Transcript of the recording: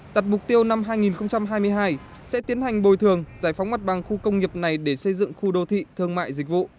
đặt mục tiêu năm hai nghìn hai mươi hai sẽ tiến hành bồi thường giải phóng mặt bằng khu công nghiệp này để xây dựng khu đô thị thương mại dịch vụ